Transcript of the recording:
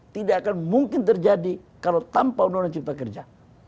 tidak akan mungkin terjadi kalau tanpa undang undang cipta kerja